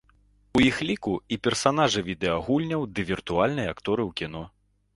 У іх ліку і персанажы відэагульняў ды віртуальныя акторы ў кіно.